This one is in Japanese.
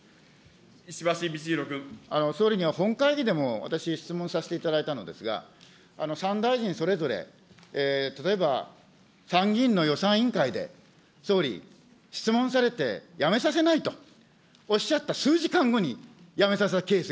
総理には本会議でも私、質問させていただいたのですが、３大臣それぞれ、例えば参議院の予算委員会で総理、質問されて辞めさせないとおっしゃった数時間後に辞めさせたケー